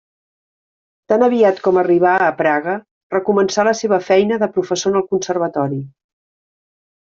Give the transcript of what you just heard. Tan aviat com arribà a Praga recomençà la seva feina de professor en el Conservatori.